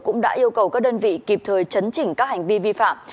cũng đã yêu cầu các đơn vị kịp thời chấn chỉnh các hành vi vi phạm